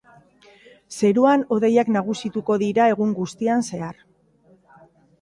Zeruan hodeiak nagusituko dira egun guztian zehar.